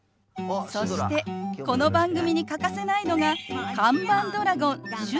そしてこの番組に欠かせないのが看板ドラゴンシュドラ。